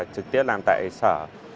trực tiếp làm tại sở